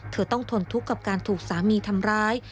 เธอต้องทนทุกข์กับการถูกสามีทำร้าย